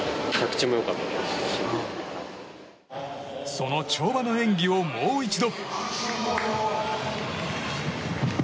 その跳馬の演技をもう一度。